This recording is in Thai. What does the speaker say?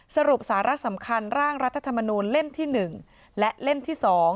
สรุปสาระสำคัญร่างรัฐธรรมนูลเล่มที่๑และเล่มที่๒